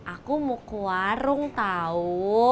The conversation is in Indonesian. aku mau ke warung tahu